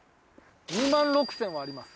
２６，０００円はあります。